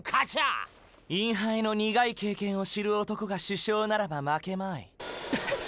インハイの苦い経験を知る男が主将ならば負けまい。